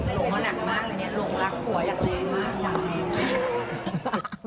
หลงมากนะเนี่ยหลงรักปัวอยากเล่นมากนะเนี่ย